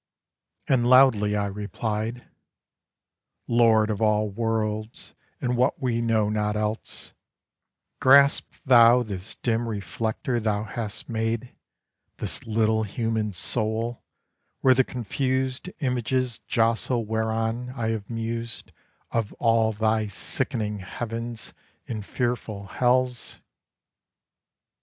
And loudly I replied : Lord of all worlds and what we know not else, Grasp thou this dim reflector thou hast made, This little human soul, where the confused Images jostle whereon I have mused Of all thy sickening heavens and fearful hells.